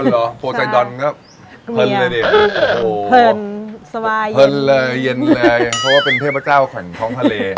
โอ้หรอโปรไซดอนก็เผินเลยเดียวเผินสวายเย็นเลยเพราะว่าเป็นเทพเจ้าแขวงท้องทะเล